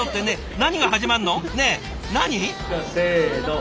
何？